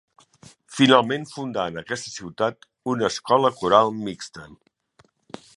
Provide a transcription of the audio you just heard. Finalment fundà en aquesta ciutat una escola coral mixta.